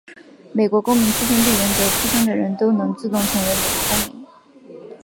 美国公民出生地原则出生的人都能自动成为美国公民。